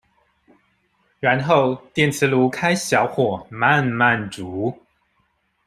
然後電磁爐開小火慢慢煮